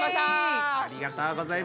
ありがとうございます。